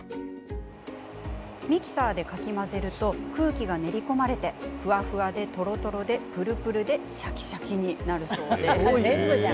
ミキサーでかき混ぜると空気が練り込まれてふわふわで、とろとろでぷるぷるシャキシャキになるそうです。